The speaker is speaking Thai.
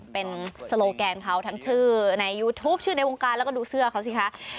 เป็นโซโลแกนเขาทั้งชื่อในยูทูปชื่อในวงการแล้วก็ดูเสื้อเขาสิคะ